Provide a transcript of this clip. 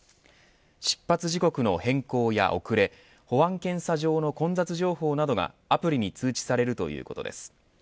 出発時刻の変更や遅れ保安検査場の混雑情報などがアプリに通知されるということです。